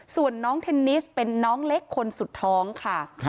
ส่วนน้องเทนนิสเป็นน้องเล็กคนสุดท้องค่ะ